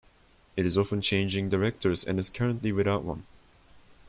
It is often changing directors and is currently without one.